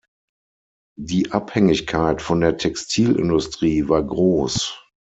Die Abhängigkeit von der Textilindustrie war gross.